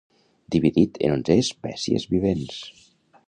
Dividit en onze espècies vivents.